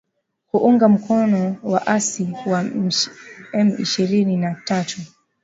kuunga mkono waasi wa M ishirini na tatu